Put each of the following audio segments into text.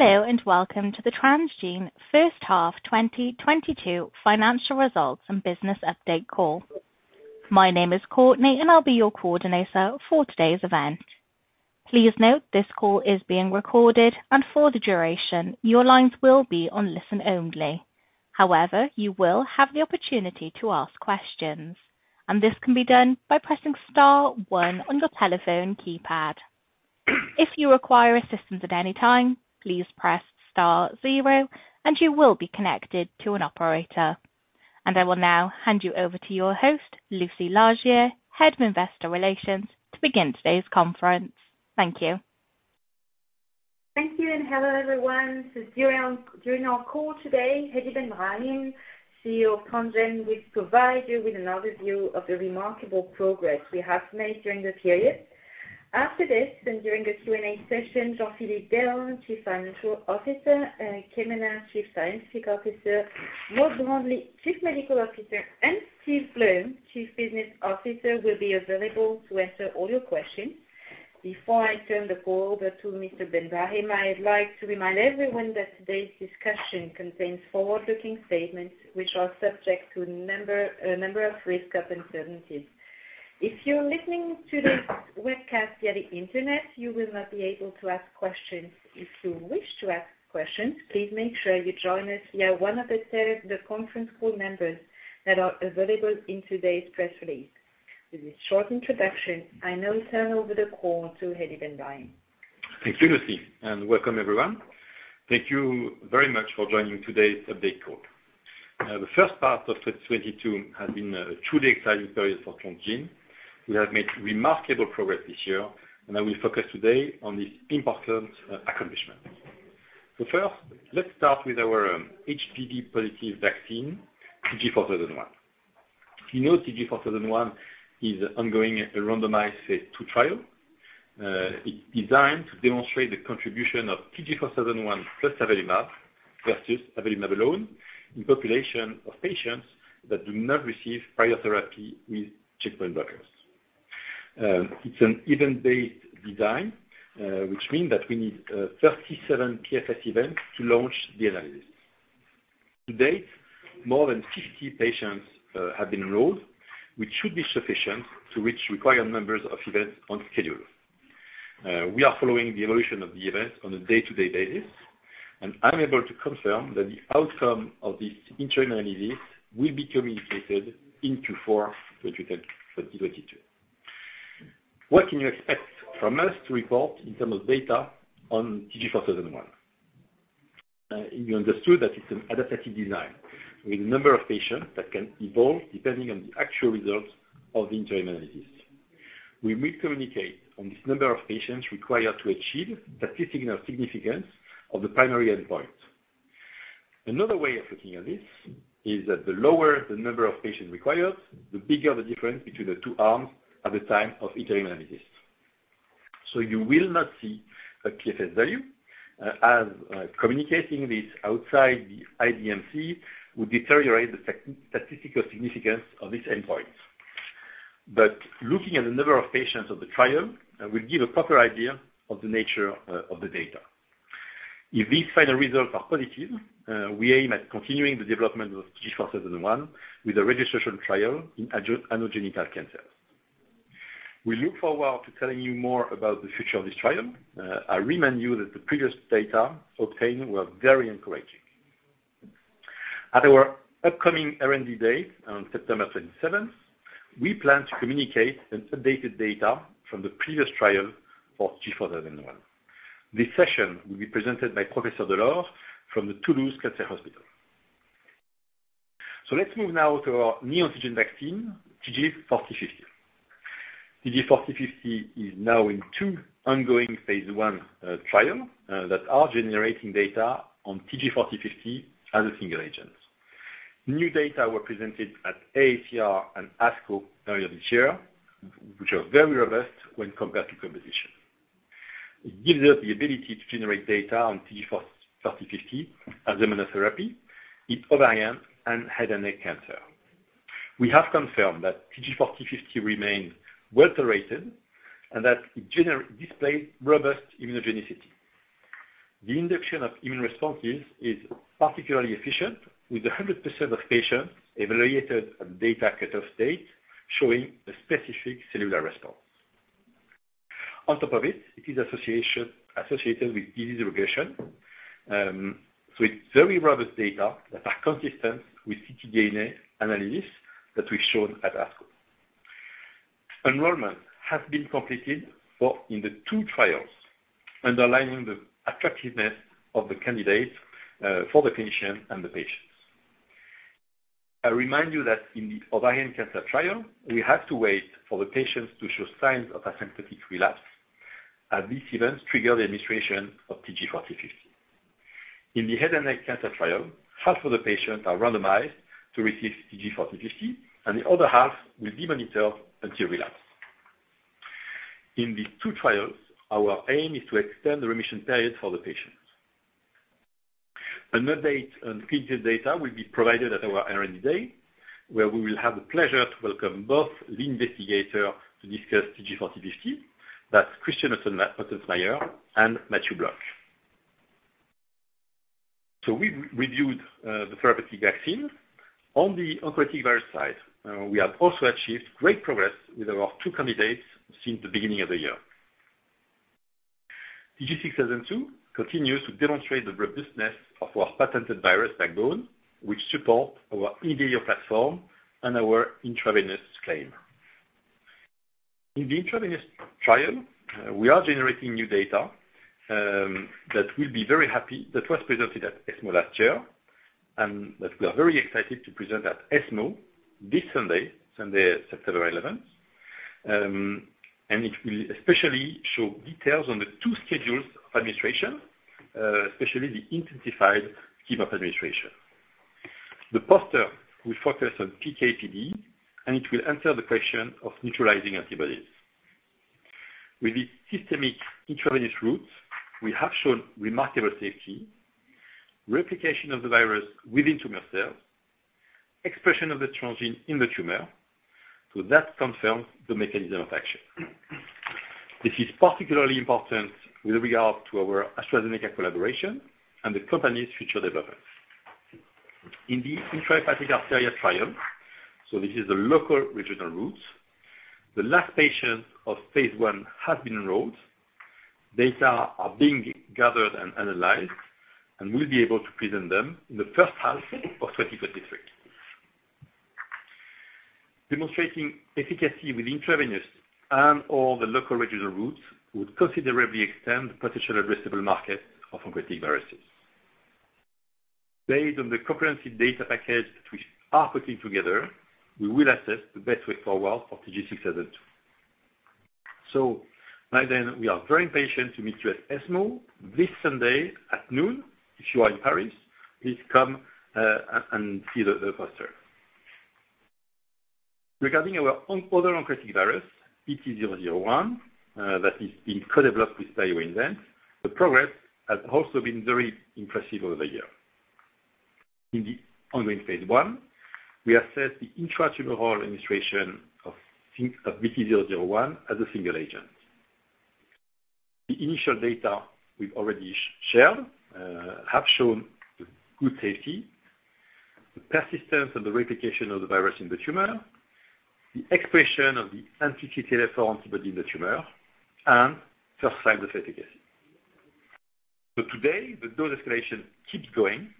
Hello, and welcome to the Transgene first half 2022 financial results and business update call. My name is Courtney, and I'll be your coordinator for today's event. Please note this call is being recorded, and for the duration, your lines will be on listen-only. However, you will have the opportunity to ask questions, and this can be done by pressing star one on your telephone keypad. If you require assistance at any time, please press star zero and you will be connected to an operator. I will now hand you over to your host, Lucie Larguier, Head of Investor Relations, to begin today's conference. Thank you. Thank you and hello, everyone. During our call today, Hedi Ben Brahim, CEO of Transgene, will provide you with an overview of the remarkable progress we have made during the period. After this, and during the Q&A session, Jean-Philippe Delord, Chief Financial Officer, Éric Quéméneur, Chief Scientific Officer, Maud Brandely, Chief Medical Officer, and Steven Bloom, Chief Business Officer, will be available to answer all your questions. Before I turn the call over to Mr. Ben Brahim, I'd like to remind everyone that today's discussion contains forward-looking statements which are subject to a number of risks and uncertainties. If you're listening to this webcast via the Internet, you will not be able to ask questions. If you wish to ask questions, please make sure you join us via one of the set of conference call numbers that are available in today's press release. With this short introduction, I now turn over the call to Hedi Ben Brahim. Thank you, Lucie, and welcome everyone. Thank you very much for joining today's update call. The first part of 2022 has been a truly exciting period for Transgene. We have made remarkable progress this year, and I will focus today on this important accomplishment. First, let's start with our HPV positive vaccine, TG 4001. You know TG 4001 is ongoing at the randomized phase II trial. It's designed to demonstrate the contribution of TG 4001 plus avelumab versus avelumab alone in population of patients that do not receive prior therapy with checkpoint blockers. It's an event-based design, which means that we need 37 PFS events to launch the analysis. To date, more than 50 patients have been enrolled, which should be sufficient to reach required numbers of events on schedule. We are following the evolution of the event on a day-to-day basis, and I'm able to confirm that the outcome of this interim analysis will be communicated in Q4 2022. What can you expect from us to report in terms of data on TG4001? You understood that it's an adaptive design with a number of patients that can evolve depending on the actual results of the interim analysis. We will communicate on this number of patients required to achieve statistical significance of the primary endpoint. Another way of looking at this is that the lower the number of patients required, the bigger the difference between the two arms at the time of interim analysis. You will not see a PFS value, as communicating this outside the IDMC will deteriorate the statistical significance of this endpoint. Looking at the number of patients of the trial will give a proper idea of the nature of the data. If these final results are positive, we aim at continuing the development of TG4001 with a registration trial in anogenital cancers. We look forward to telling you more about the future of this trial. I remind you that the previous data obtained were very encouraging. At our upcoming R&D Day on September twenty-seventh, we plan to communicate updated data from the previous trial for TG4001. This session will be presented by Professor Delord from the Oncopole in Toulouse. Let's move now to our neoantigen vaccine, TG4050. TG4050 is now in two ongoing phase I trials that are generating data on TG4050 as a single agent. New data were presented at AACR and ASCO earlier this year, which are very robust when compared to competition. It gives us the ability to generate data on TG4050 as a monotherapy in ovarian and head and neck cancer. We have confirmed that TG4050 remains well-tolerated and that it displays robust immunogenicity. The induction of immune responses is particularly efficient with 100% of patients evaluated at data cutoff date showing a specific cellular response. On top of it is associated with lesion regression, so it's very robust data that are consistent with ctDNA analysis that we've shown at ASCO. Enrollment has been completed for the two trials, underlining the attractiveness of the candidate for the clinician and the patients. I remind you that in the ovarian cancer trial, we have to wait for the patients to show signs of asymptomatic relapse, and this event triggers the administration of TG4050. In the head and neck cancer trial, half of the patients are randomized to receive TG4050, and the other half will be monitored until relapse. In these two trials, our aim is to extend the remission period for the patients. An update on future data will be provided at our R&D day, where we will have the pleasure to welcome both lead investigators to discuss TG4001. That's Christian Ottensmeier and Matthew Block. We reviewed the therapeutic vaccine on the oncolytic virus side. We have also achieved great progress with our two candidates since the beginning of the year. TG6002 continues to demonstrate the robustness of our patented virus backbone, which support our Invir.IO platform and our intravenous claim. In the intravenous trial, we are generating new data that was presented at ESMO last year and that we are very excited to present at ESMO this Sunday, September 11. It will especially show details on the two schedules of administration, especially the intensified scheme of administration. The poster will focus on PK/PD, and it will answer the question of neutralizing antibodies. With the systemic intravenous route, we have shown remarkable safety, replication of the virus within tumor cells, expression of the transgene in the tumor, so that confirms the mechanism of action. This is particularly important with regard to our AstraZeneca collaboration and the company's future developments. In the intrahepatic arterial trial, so this is the local regional route. The last patient of phase I has been enrolled. Data are being gathered and analyzed, and we'll be able to present them in the first half of 2023. Demonstrating efficacy with intravenous and or the local regional routes would considerably extend the potential addressable market of oncolytic viruses. Based on the comprehensive data package which we are putting together, we will assess the best way forward for TG6002. By then, we are very happy to meet you at ESMO this Sunday at noon. If you are in Paris, please come and see the poster. Regarding our other oncolytic virus BT-001, that is being co-developed with BioInvent. The progress has also been very impressive over the year. In the ongoing phase I, we assess the intratumoral administration of BT-001 as a single agent. The initial data we've already shared have shown good safety, the persistence and the replication of the virus in the tumor, the expression of the anti-T cell response within the tumor, and first signs of efficacy. Today the dose escalation keeps going,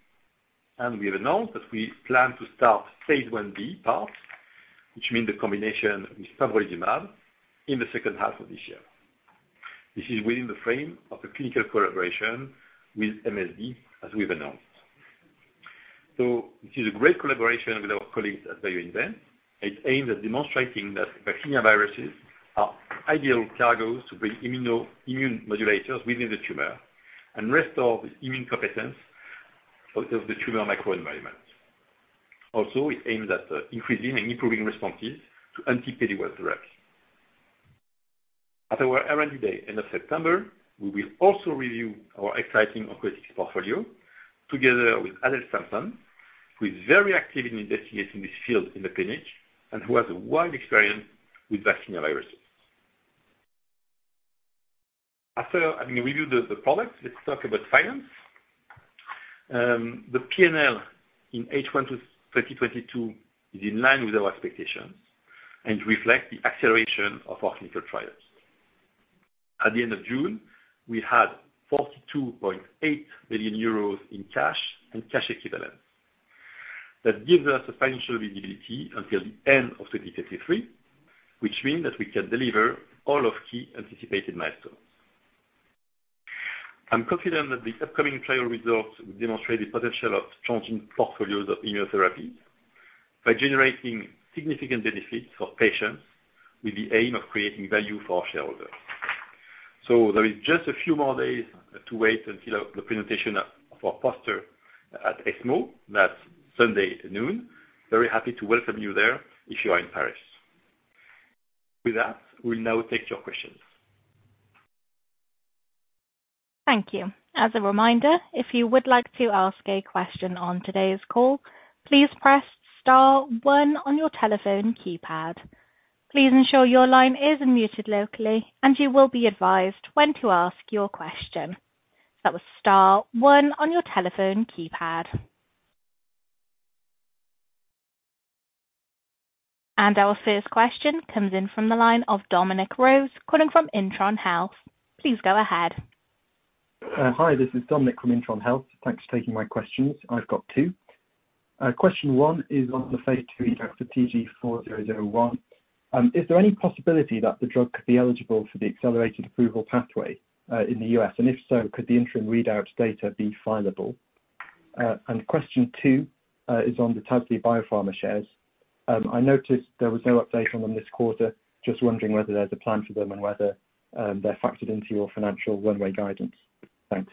and we have announced that we plan to start phase Ib, which means the combination with pembrolizumab in the second half of this year. This is within the frame of the clinical collaboration with MSD, as we've announced. This is a great collaboration with our colleagues at BioInvent. It's aimed at demonstrating that vaccinia viruses are ideal cargos to bring immune modulators within the tumor and restore the immune competence of the tumor microenvironment. It aims at increasing and improving responses to anti-PD-1 drugs. At our R&D day at the end of September, we will also review our exciting oncolytic portfolio together with Adel Samson, who is very active in investigating this field in the clinic and who has a wide experience with vaccinia viruses. After having reviewed the products, let's talk about finance. The P&L in H1 2022 is in line with our expectations and reflects the acceleration of our clinical trials. At the end of June, we had 42.8 million euros in cash and cash equivalents. That gives us a financial visibility until the end of 2023, which means that we can deliver all our key anticipated milestones. I'm confident that the upcoming trial results will demonstrate the potential of changing portfolios of immunotherapy by generating significant benefits for patients with the aim of creating value for our shareholders. There is just a few more days to wait until the presentation of our poster at ESMO. That's Sunday noon. Very happy to welcome you there if you are in Paris. With that, we'll now take your questions. Thank you. As a reminder, if you would like to ask a question on today's call, please press star one on your telephone keypad. Please ensure your line is unmuted locally and you will be advised when to ask your question. That was star one on your telephone keypad. Our first question comes in from the line of Dominic Rose calling from Intron Health. Please go ahead. Hi, this is Dominic from Intron Health. Thanks for taking my questions. I've got two. Question one is on the phase 2 data for TG4001. Is there any possibility that the drug could be eligible for the accelerated approval pathway in the U.S.? And if so, could the interim readout data be fileable? Question two is on the Tasly Biopharmaceuticals shares. I noticed there was no update on them this quarter. Just wondering whether there's a plan for them and whether they're factored into your financial runway guidance. Thanks.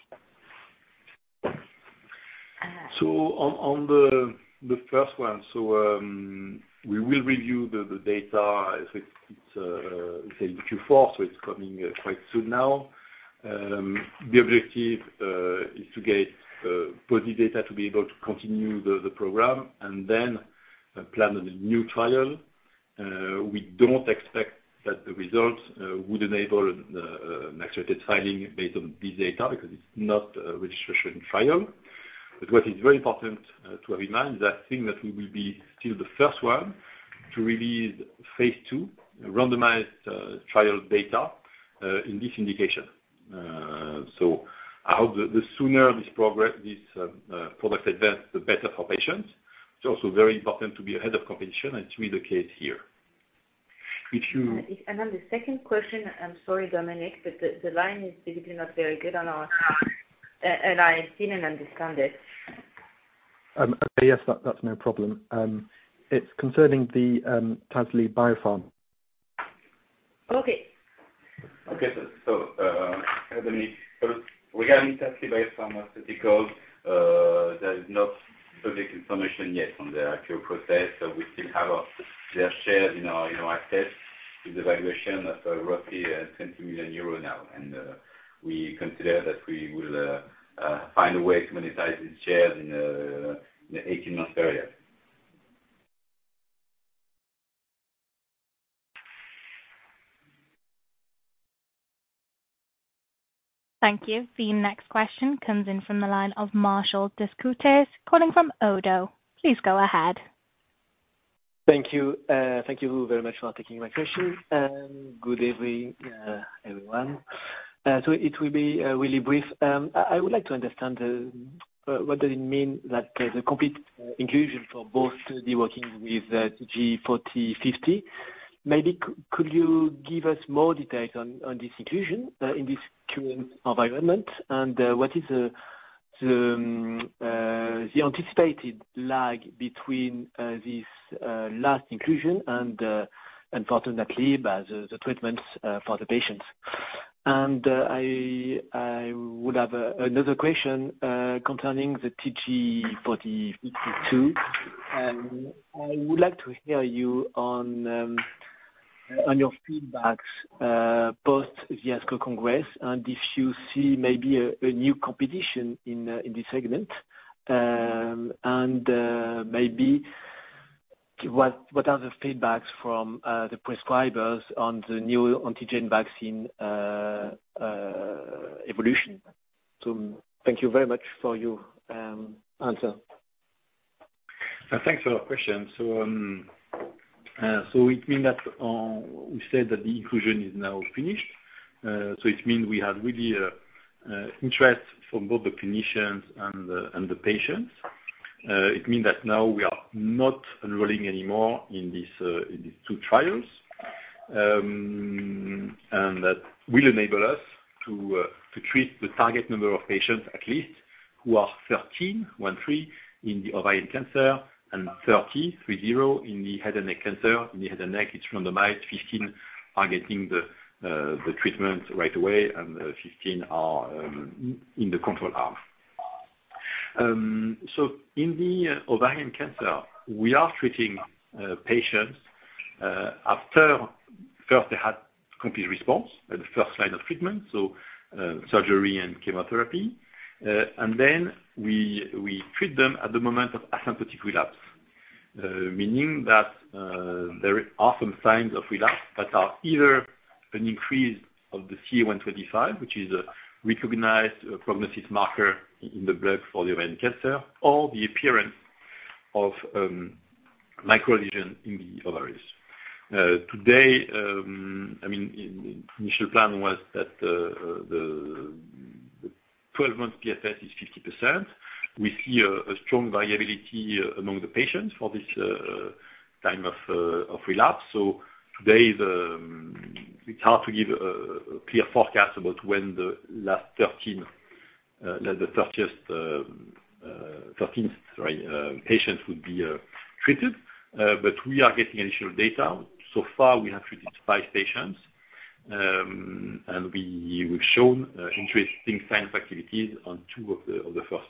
We will review the data. It's in Q1, so it's coming quite soon now. The objective is to get positive data to be able to continue the program and then plan a new trial. We don't expect that the results would enable an accelerated filing based on this data because it's not a registration trial. What is very important to remind is I think that we will be still the first one to release phase II randomized trial data in this indication. I hope the sooner this product advances, the better for patients. It's also very important to be ahead of competition, and it's really the case here. If you On the second question, I'm sorry, Dominic, but the line is really not very good on our end, and I didn't understand it. Yes, that's no problem. It's concerning the Tasly Biopharmaceuticals. Okay. Okay. Dominic, regarding Tasly Biopharmaceuticals, there's no public information yet on the actual process, so we still have our fair share in our assets with the valuation of roughly 20 million euro now. We consider that we will find a way to monetize these shares in the 18 months period. Thank you. The next question comes in from the line of Martial Descoutures calling from Oddo. Please go ahead. Thank you. Thank you very much for taking my question. Good evening, everyone. It will be really brief. I would like to understand what does it mean that there's a complete inclusion for both the working with the TG4050. Maybe could you give us more details on this inclusion in this current environment? What is the anticipated lag between this last inclusion and the initiation of the treatments for the patients? I would have another question concerning the TG4052. I would like to hear you on your feedback post the ASCO Congress, and if you see maybe a new competition in this segment. Maybe what are the feedbacks from the prescribers on the neoantigen vaccine evolution? Thank you very much for your answer. Thanks for your question. It mean that we said that the inclusion is now finished. It mean we had really interest from both the clinicians and the patients. It mean that now we are not enrolling anymore in these two trials. That will enable us to treat the target number of patients at least, who are 13 in the ovarian cancer and 30 in the head and neck cancer. In the head and neck, it's randomized. 15 are getting the treatment right away and 15 are in the control arm. In the ovarian cancer, we are treating patients after first they had complete response by the first line of treatment, so surgery and chemotherapy. We treat them at the moment of asymptomatic relapse, meaning that there are some signs of relapse that are either an increase of the CA-125, which is a recognized prognostic marker in the blood for the ovarian cancer or the appearance of microlesion in the ovaries. Today, I mean, initial plan was that the 12 months PFS is 50%. We see a strong variability among the patients for this time of relapse. We try to give a clear forecast about when the last thirteenth patients would be treated. We are getting initial data. So far we have treated five patients. We have shown interesting scientific activities on two of the first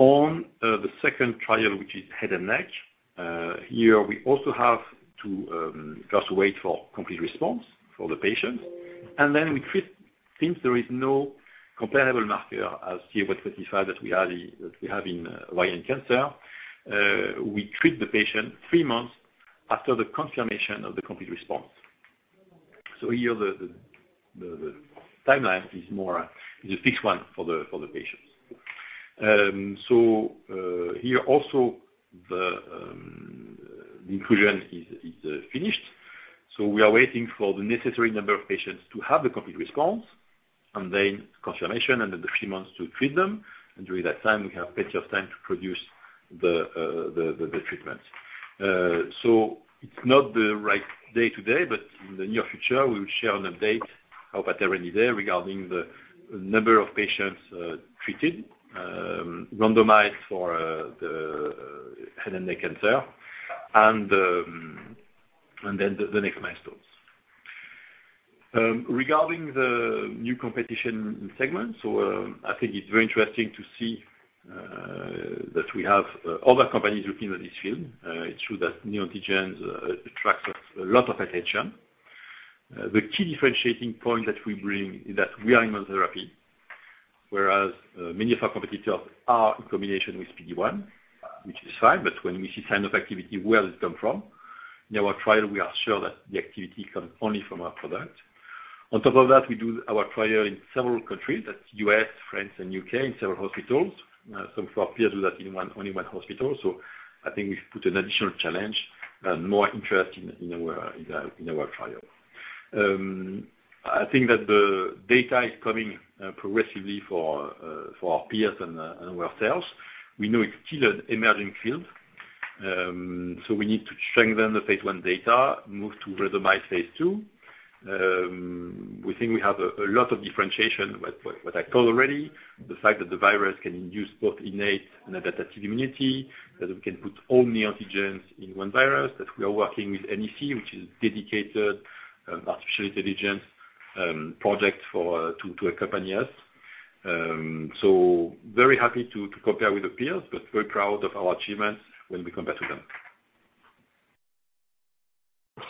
patient. The second trial which is head and neck, here we also have to first wait for complete response for the patient. Then we treat. Since there is no comparable marker as CA-125 that we have in ovarian cancer, we treat the patient three months after the confirmation of the complete response. Here the timeline is a fixed one for the patients. Here also the inclusion is finished. We are waiting for the necessary number of patients to have the complete response and then confirmation and then the three months to treat them. During that time, we have plenty of time to produce the treatment. It's not the right day today, but in the near future, we'll share an update on that they're ready there regarding the number of patients treated, randomized for the head and neck cancer and then the next milestone. Regarding the new competition segment, I think it's very interesting to see that we have other companies looking at this field. It's true that neoantigens attracts a lot of attention. The key differentiating point that we bring is that we are immunotherapy, whereas many of our competitors are in combination with PD-1, which is fine, but when we see sign of activity where it come from. In our trial, we are sure that the activity comes only from our product. On top of that, we do our trial in several countries: the U.S., France, and U.K., in several hospitals. Some of our peers do that in only one hospital. I think we've put an additional challenge and more interest in our trial. I think that the data is coming progressively for our peers and ourselves. We know it's still an emerging field, so we need to strengthen the phase I data, move to randomized phase II. We think we have a lot of differentiation with what I call already the fact that the virus can induce both innate and adaptive immunity, that we can put all neoantigens in one virus, that we are working with NEC, which is dedicated artificial intelligence project to accompany us. Very happy to compare with the peers, but very proud of our achievements when we compare to them.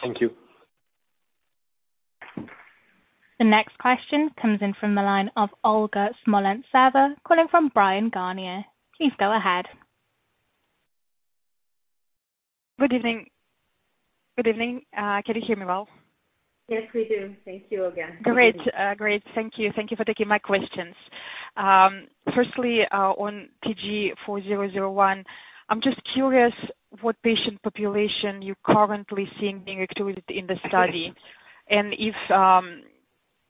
Thank you. The next question comes in from the line of Olga Smolentseva calling from Bryan, Garnier & Co. Please go ahead. Good evening. Can you hear me well? Yes, we do. Thank you again. Great. Thank you for taking my questions. Firstly, on TG4001, I'm just curious what patient population you're currently seeing being recruited in the study. If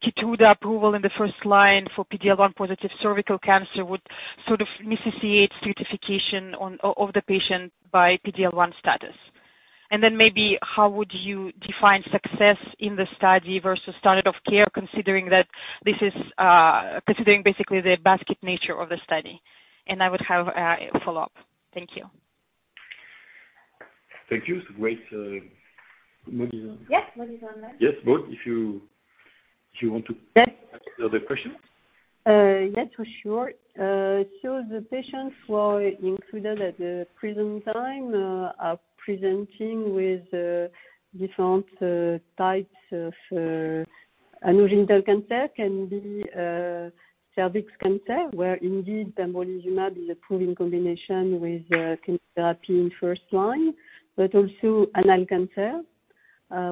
KEYTRUDA approval in the first line for PD-L1 positive cervical cancer would sort of necessitate stratification of the patient by PD-L1 status. Then maybe how would you define success in the study versus standard of care, considering basically the basket nature of the study? I would have a follow-up. Thank you. Thank you. It's great. Maud is on? Yes, Maud is on the line. Yes. Maud, if you want to. Yes. Answer the question. Yes, for sure. The patients who are included at the present time are presenting with different types of anogenital cancer, can be cervix cancer, where indeed pembrolizumab is approved in combination with chemotherapy in first line. Also anal cancer,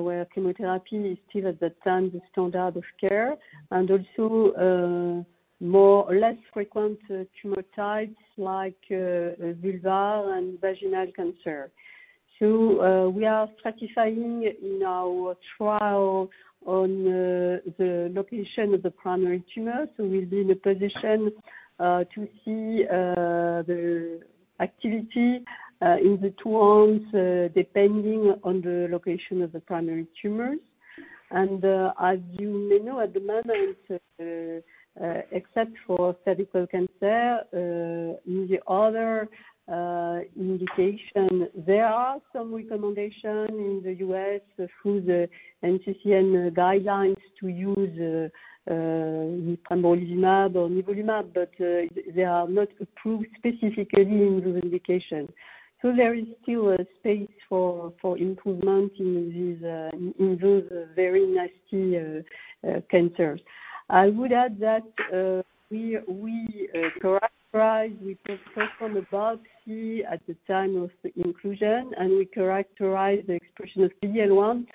where chemotherapy is still at that time the standard of care, and also more or less frequent tumor types like vulvar and vaginal cancer. We are stratifying in our trial on the location of the primary tumor. We'll be in a position to see the activity in the two arms depending on the location of the primary tumors. As you may know, at the moment, except for cervical cancer, in the other indication, there are some recommendation in the U.S. through the NCCN guidelines to use pembrolizumab or nivolumab, but they are not approved specifically in those indication. There is still a space for improvement in these in those very nasty cancers. I would add that we characterize with a sample biopsy at the time of the inclusion, and we characterize the expression of PD-L1.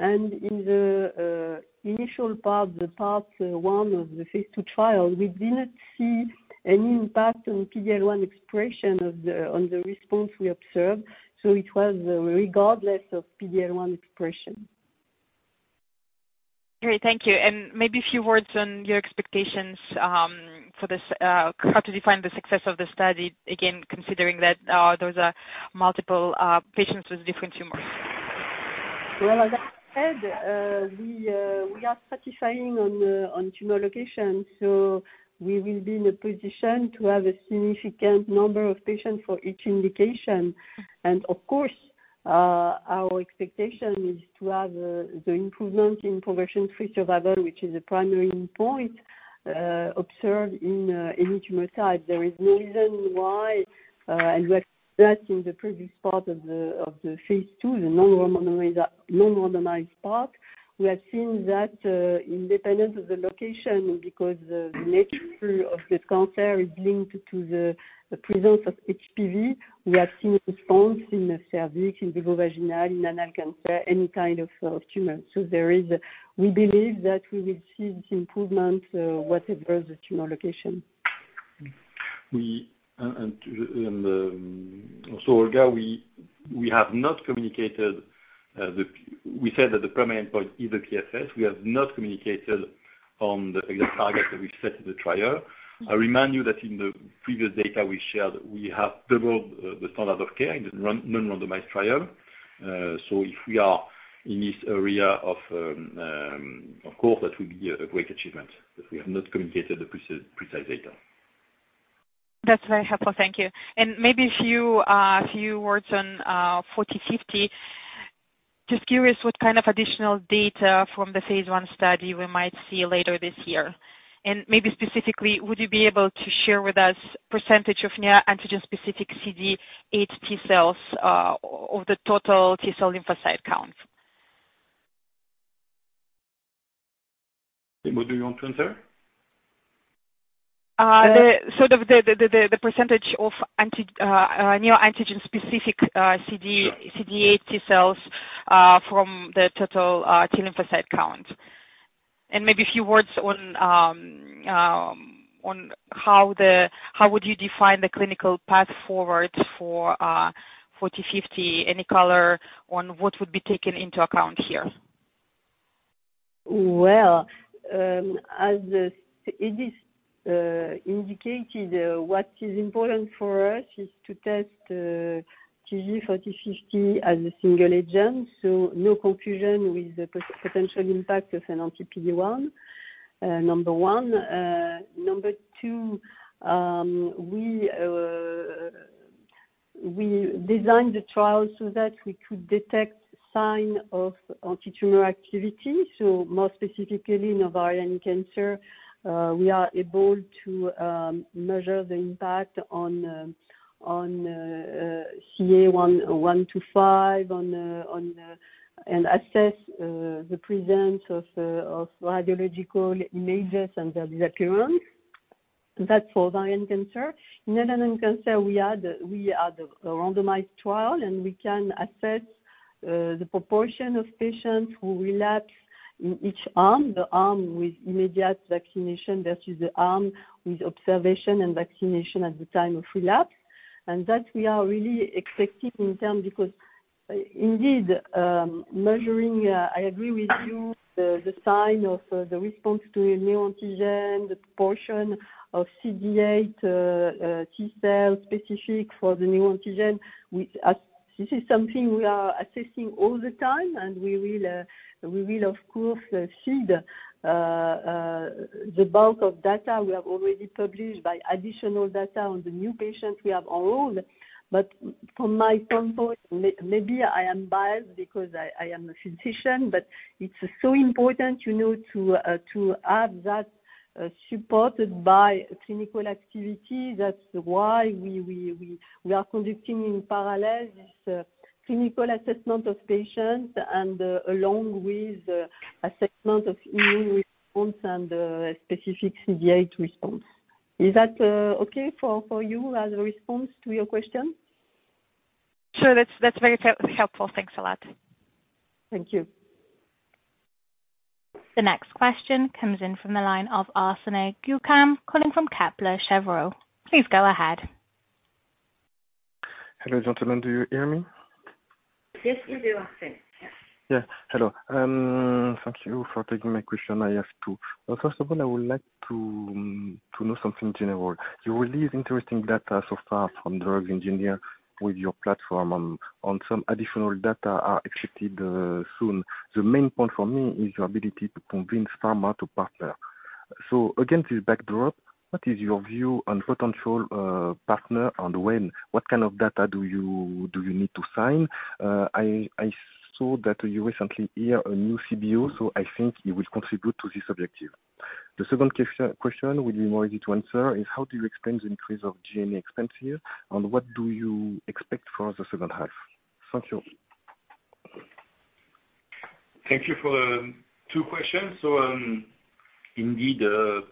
In the initial part, the part one of the phase II trial, we did not see any impact on PD-L1 expression on the response we observed, so it was regardless of PD-L1 expression. Great, thank you. Maybe a few words on your expectations for how to define the success of the study, again, considering that those are multiple patients with different tumors. Well, as I said, we are stratifying on tumor location, so we will be in a position to have a significant number of patients for each indication. Of course, our expectation is to have the improvement in progression-free survival, which is a primary endpoint, observed in each tumor type. There is no reason why, and we have seen that in the previous part of the phase II, the non-randomized part. We have seen that independent of the location, because the nature of this cancer is linked to the presence of HPV. We have seen response in the cervix, in vulvovaginal, in anal cancer, any kind of tumor. We believe that we will see this improvement whatever the tumor location. Olga, we have not communicated. We said that the primary endpoint is the PFS. We have not communicated on the target that we set in the trial. I remind you that in the previous data we shared, we have doubled the standard of care in the non-randomized trial. If we are in this area of course, that would be a great achievement, but we have not communicated the precise data. That's very helpful. Thank you. Maybe a few words on TG4050. Just curious what kind of additional data from the phase I study we might see later this year? Maybe specifically, would you be able to share with us percentage of neoantigen specific CD8 T-cells of the total T-cell lymphocyte count? What do you want to answer? the percentage of neoantigen-specific CD- Yeah. CD8 T-cells from the total T lymphocyte count. Maybe a few words on how would you define the clinical path forward for forty/fifty? Any color on what would be taken into account here? Well, as Hedi Ben Brahim indicated, what is important for us is to test TG4050 as a single agent, so no confusion with the potential impact of an anti-PD-1, number one. Number two, we designed the trial so that we could detect sign of antitumor activity. Most specifically in ovarian cancer, we are able to measure the impact on CA-125 and assess the presence of radiological images and their disappearance. That's for ovarian cancer. In ovarian cancer we had a randomized trial, and we can assess the proportion of patients who relapse in each arm. The arm with immediate vaccination versus the arm with observation and vaccination at the time of relapse. That we are really expecting in turn because indeed, measuring, I agree with you, the size of the response to a neoantigen, the proportion of CD8 T-cell specific for the neoantigen, which, as this is something we are assessing all the time, and we will of course see the bulk of data we have already published by additional data on the new patients we have enrolled. But from my standpoint, maybe I am biased because I am a physician, but it's so important, you know, to have that supported by clinical activity. That's why we are conducting in parallel this clinical assessment of patients and along with assessment of immune response and specific CD8 response. Is that okay for you as a response to your question? Sure. That's very helpful. Thanks a lot. Thank you. The next question comes in from the line of Arsène Guekam, calling from Kepler Cheuvreux. Please go ahead. Hello, gentlemen. Do you hear me? Yes, we do, Arsène. Yeah. Hello. Thank you for taking my question. I have two. First of all, I would like to know something general. You release interesting data so far from engineered drugs with your platform. On some additional data are expected soon. The main point for me is your ability to convince pharma to partner. Against this backdrop, what is your view on potential partner and when? What kind of data do you need to sign? I saw that you recently hire a new CBO, so I think you will contribute to this objective. The second question will be more easy to answer is how do you explain the increase of G&A expense here, and what do you expect for the second half? Thank you. Thank you for the two questions. Indeed,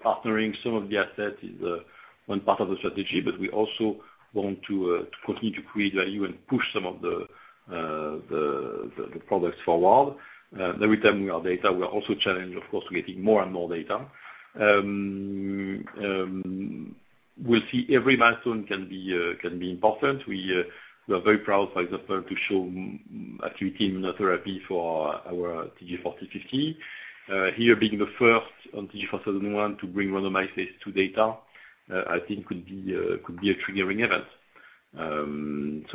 partnering some of the assets is one part of the strategy, but we also want to continue to create value and push some of the products forward. Every time we have data, we are also challenged, of course, to getting more and more data. We'll see every milestone can be important. We are very proud, for example, to show activity immunotherapy for our TG 4050. Here being the first on TG 4001 to bring randomized phase II data, I think could be a triggering event.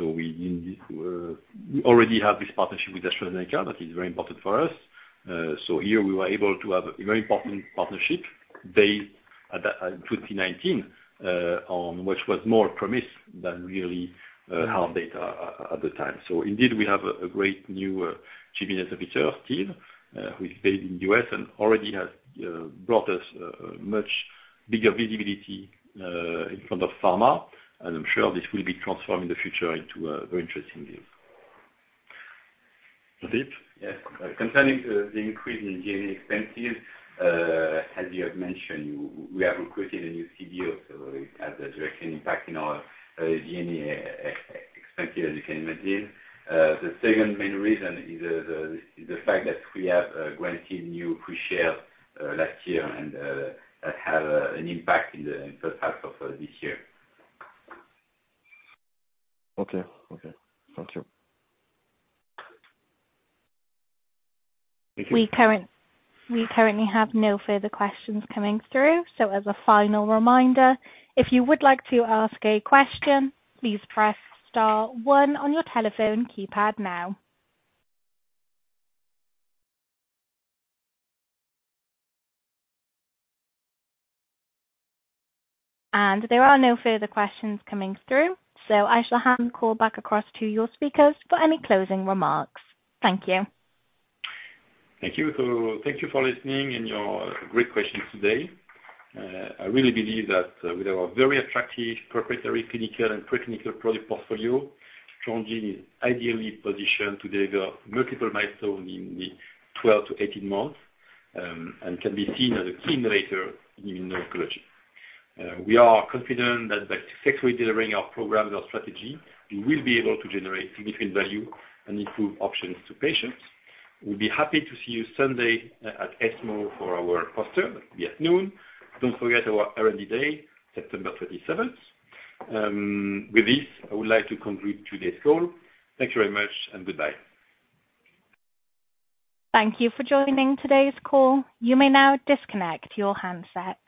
We indeed already have this partnership with AstraZeneca that is very important for us. Here we were able to have a very important partnership based in 2019, on which was more promise than really hard data at the time. Indeed we have a great new chief investigator, Steven Bloom, who is based in U.S. and already has brought us much bigger visibility in front of pharma, and I'm sure this will be transformed in the future into a very interesting deal. Jean-Philippe Del? Yes. Concerning the increase in G&A expenses, as you have mentioned, we have recruited a new CBO, so it has a direct impact in our G&A expense as you can imagine. The second main reason is the fact that we have granted new free share last year and that had an impact in the first half of this year. Okay. Thank you. Thank you. We currently have no further questions coming through. As a final reminder, if you would like to ask a question, please press star one on your telephone keypad now. There are no further questions coming through, so I shall hand the call back across to your speakers for any closing remarks. Thank you. Thank you. Thank you for listening and your great questions today. I really believe that, with our very attractive proprietary clinical and pre-clinical product portfolio, Transgene is ideally positioned to deliver multiple milestone in the 12-18 months, and can be seen as a key innovator in immunology. We are confident that by successfully delivering our programs and strategy, we will be able to generate significant value and improve options to patients. We'll be happy to see you Sunday at ESMO for our poster by noon. Don't forget our R&D day, September 27. With this, I would like to conclude today's call. Thank you very much and goodbye. Thank you for joining today's call. You may now disconnect your handsets.